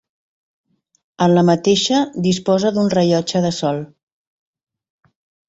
En la mateixa disposa d'un rellotge de sol.